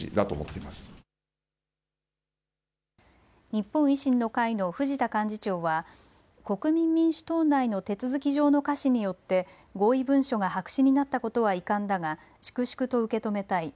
日本維新の会の藤田幹事長は国民民主党内の手続き上のかしによって合意文書が白紙になったことは遺憾だが粛々と受け止めたい。